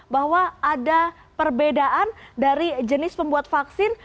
bahwa ada perbedaan dari jenis pembuat vaksin